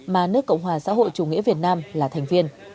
mà nước cộng hòa xã hội chủ nghĩa việt nam là thành viên